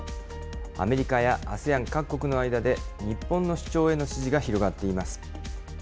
アメリカやＡＳＥＡＮ各国の間で、日本の主張への支持が広がっています。